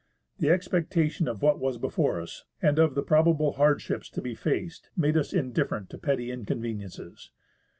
The expectation of what was before us and of the probable hardships to be faced made us indifferent to petty inconveniences.